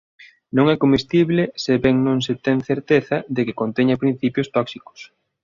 Non é comestible se ben non se ten certeza de que conteña principios tóxicos.